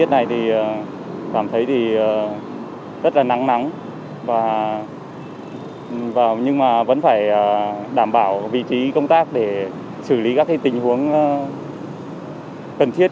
nó rất là nắng nắng nhưng mà vẫn phải đảm bảo vị trí công tác để xử lý các tình huống cần thiết